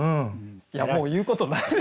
いやもう言うことないですね。